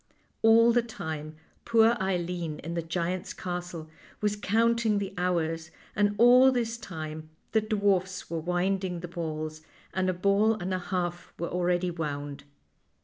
All the time poor Eileen in the giant's castle was counting the hours, and all this time the dwarfs were winding the balls, and a ball and a half were already wound.